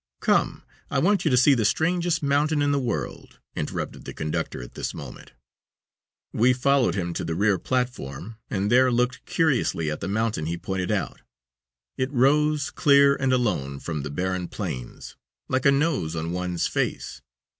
"Come, I want you to see the strangest mountain in the world," interrupted the conductor at this moment. We followed him to the rear platform and there looked curiously at the mountain he pointed out. It rose, clear and alone, from the barren plains, like a nose on one's face.